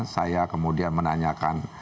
saya kemudian menanyakan